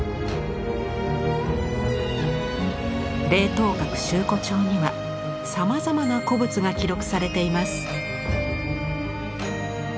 「聆涛閣集古帖」にはさまざまな古物が記録されています。